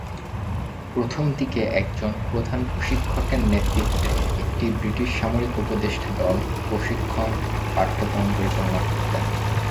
প্রথম দিকে একজন প্রধান প্রশিক্ষকের নেতৃত্বে একটি ব্রিটিশ সামরিক উপদেষ্টা দল প্রশিক্ষণ পাঠ্যক্রম পরিচালনা করতেন।